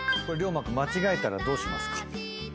「これ涼真君間違えたらどうしますか？」